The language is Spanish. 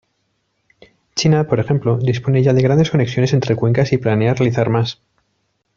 China, por ejemplo, dispone ya de grandes conexiones entre cuencas, y planea realizar más.